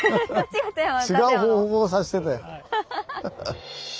違う方向を指してたよ。